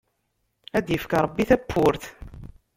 Ad d-yefk Ṛebbi tabburt!